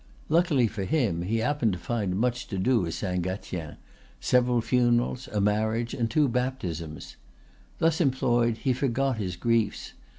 Luckily for him he happened to find much to do at Saint Gatien, several funerals, a marriage, and two baptisms. Thus employed he forgot his griefs.